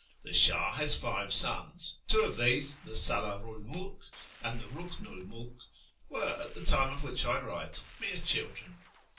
The Shah has five sons. Two of these, the Sdldru 'l Mulk and the Buknu 'l Mulk, were, at the time of which I write, mere children.